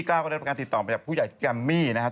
ก็ได้รับการติดต่อไปจากผู้ใหญ่แกมมี่นะครับ